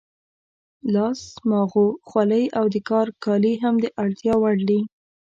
لاس ماغو، خولۍ او د کار کالي هم د اړتیا وړ دي.